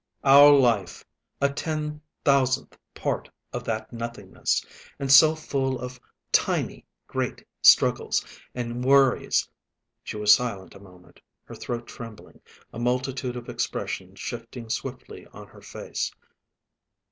Our life, a ten thousandth part of that nothingness; and so full of tiny great struggles and worries!" She was silent a moment, her throat trembling, a multitude of expressions shifting swiftly on her face.